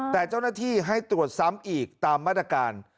แต่เจ้าหน้าที่ให้ตรวจซ้ำอีกตามมาตรการ